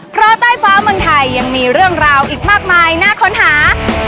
เพราะใต้ฟ้าเมืองไทยยังมีเรื่องราวอีกมากมายน่าค้นหา